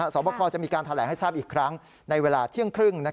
สอบประคอจะมีการแถลงให้ทราบอีกครั้งในเวลาเที่ยงครึ่ง